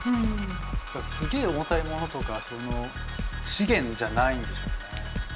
すげえ重たいものとかその資源じゃないんでしょうね。